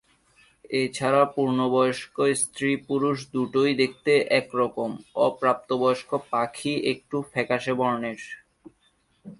এছাড়া পূর্ণবয়স্ক স্ত্রী-পুরুষ দুটোই দেখতে একরকম; অপ্রাপ্তবয়স্ক পাখি একটু ফ্যাকাসে বর্ণের।